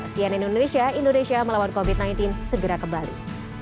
selamat malam mbak pani